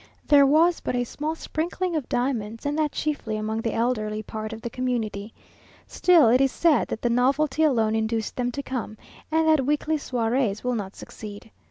There was but a small sprinkling of diamonds, and that chiefly among the elderly part of the community. Still it is said that the novelty alone induced them to come, and that weekly soirées will not succeed.